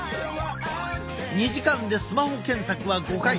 ２時間でスマホ検索は５回。